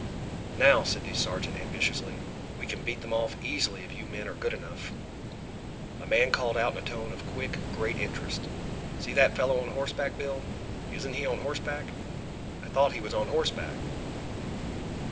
"Now," said the sergeant ambitiously, "we can beat them off easily if you men are good enough." A man called out in a tone of quick, great interest. "See that fellow on horseback, Bill? Isn't he on horseback? I thought he was on horseback."